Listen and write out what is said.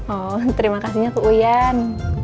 oh terima kasihnya ke uyan